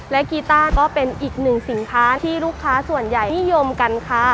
และกีต้าก็เป็นอีกหนึ่งสินค้าที่ลูกค้าส่วนใหญ่นิยมกันค่ะ